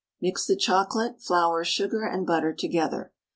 Mix the chocolate, flour, sugar, and butter together.